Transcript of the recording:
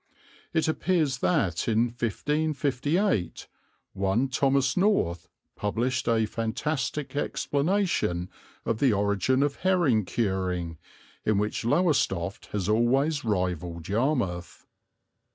It appears that in 1558 one Thomas North published a fantastic explanation of the origin of herring curing, in which Lowestoft has always rivalled Yarmouth.